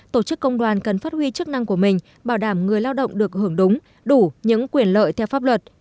tổ chức công đoàn cần phát huy chức năng của mình bảo đảm người lao động được hưởng đúng đủ những quyền lợi theo pháp luật